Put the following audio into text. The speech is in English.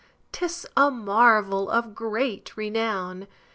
'Tis a marvel of great renown!